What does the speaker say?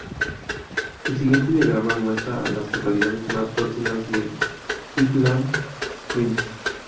El siguiente diagrama muestra a las localidades más próximas a Highland Springs.